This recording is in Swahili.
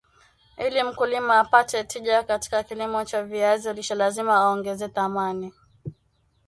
Ili mkulima apate tija katika kilimo cha viazi lishe lazima aongeze thamani